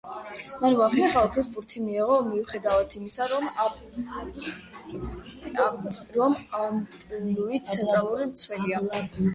მან მოახერხა, ოქროს ბურთი მიეღო მიუხედავად იმისა, რომ ამპლუით ცენტრალური მცველია.